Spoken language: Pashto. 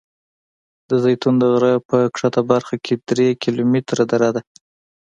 د زیتون د غره په ښکته برخه کې درې کیلومتره دره ده.